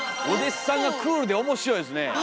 お弟子さんがクールで面白いですね。